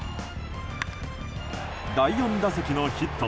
第４打席のヒット